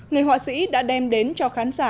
người họa sĩ đã đem đến cho khán giả